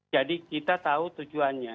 jadi kita tahu tujuannya